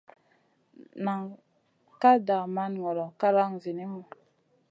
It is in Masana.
Nam ka daman ŋolo kalang zinimu.